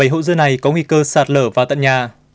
bảy hộ dưa này có nguy cơ sạt lở vào tận nhà